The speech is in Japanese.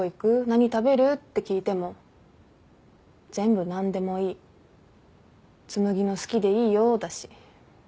何食べる？って聞いても全部「何でもいい紬の好きでいいよ」だし。